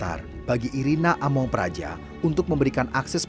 dan saya tidak bisa menyembunyikan dari diri